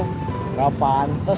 tidak pantas aku